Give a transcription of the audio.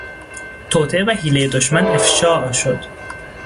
توطئه و حیلهٔ دشمن افشاء شد.